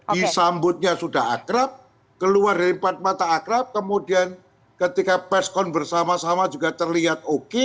disambutnya sudah akrab keluar dari empat mata akrab kemudian ketika preskon bersama sama juga terlihat oke